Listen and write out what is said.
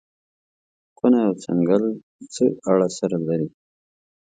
کونه او څنگل نو څه اړه سره لري.